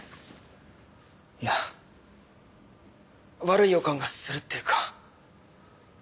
いや悪い予感がするっていうか。